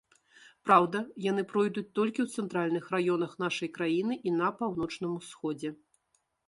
Праўда, яны пройдуць толькі ў цэнтральных раёнах нашай краіны і на паўночным усходзе.